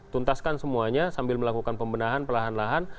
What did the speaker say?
tuntaskan semuanya sambil melakukan pembenahan perlahan lahan